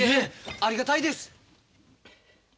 ありがたいです。